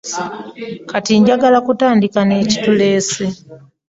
Kati njagala tutandike n'ekituleese.